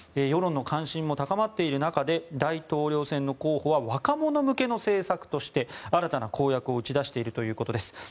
世論の関心も高まっている中で大統領選の候補は若者向けの政策として新たな公約を打ち出しているということです。